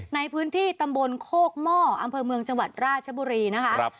ในพื้นที่ตำบลโคกหม้ออำเภอเมืองจังหวัดราชบุรีนะคะ